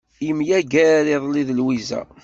Yemyager iḍelli d Lwiza.